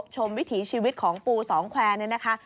วิถีชีวิตของปูสองแควร์เนี่ยนะคะ